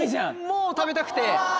もう食べたくて。